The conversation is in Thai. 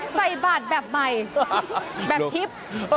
ใส่บาทแบบใหม่แบบทิพย์